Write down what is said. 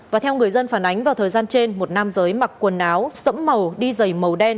và theo người dân phản ánh vào thời gian trên một nam giới mặc quần áo sẫm màu đi dày màu đen